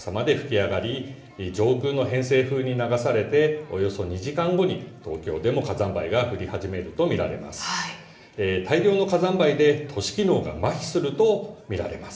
上空の偏西風に流されておよそ２時間後に東京でも火山灰が降り始めると見られます。